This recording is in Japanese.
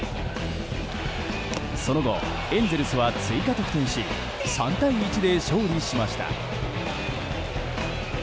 その後、エンゼルスは追加得点し３対１で勝利しました。